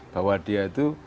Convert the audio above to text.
bahwa dia itu